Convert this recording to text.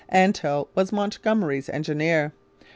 Antell was Montgomery's engineer.